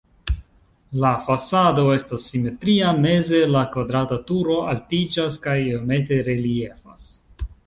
La fasado estas simetria, meze la kvadrata turo altiĝas kaj iomete reliefas.